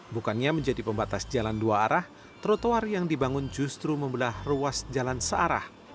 bukannya menjadi pembatas jalan dua arah trotoar yang dibangun justru membelah ruas jalan searah